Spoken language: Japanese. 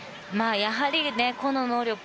やはり、個の能力